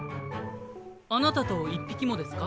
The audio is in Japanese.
あなたと一匹もですか？